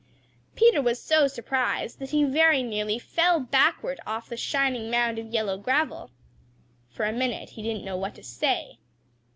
Peter was so surprised that he very nearly fell backward off the shining mound of yellow gravel. For a minute he didn't know what to say.